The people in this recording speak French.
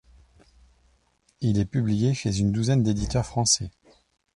Il est publié chez une douzaine d’éditeurs français.